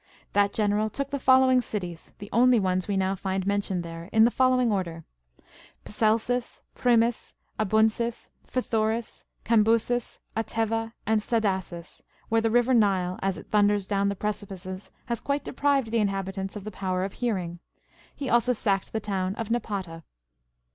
That general took the following cities, the only ones we now find mentioned there, in the following order ; Pselcis, ^ Primis, Abuncis, Phthuris, Cambusis, Atteva, and Stadasis, where the river ^ile, as it thunders down the precipices, has quite deprived the in habitants of the power of hearing : he also sacked the town of Kapata.